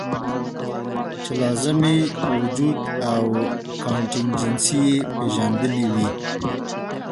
چې لازمي وجود او کانټينجنسي ئې پېژندلي وے -